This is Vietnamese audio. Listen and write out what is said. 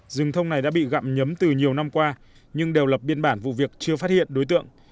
rừng thông này đã bị gặm nhấm từ nhiều năm qua nhưng đều lập biên bản vụ việc chưa phát hiện đối tượng